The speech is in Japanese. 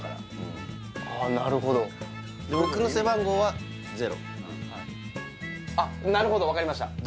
なるほどあっなるほど分かりました